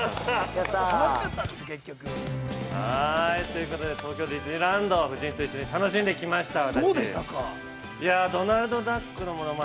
◆ということで、東京ディズニーランド、夫人と一緒に楽しんできました。